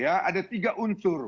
ya ada tiga unsur